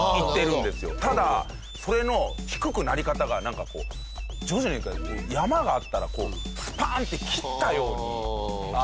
ただそれの低くなり方がなんかこう徐々に山があったらスパン！って切ったように。